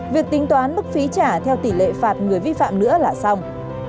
việc tính toán mức phí trả theo tỷ lệ phạt người vi phạm nữa là xong